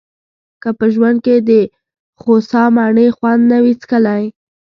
که په ژوند کې دخوسا مڼې خوند نه وي څکلی.